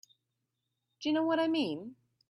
Do you know what I mean?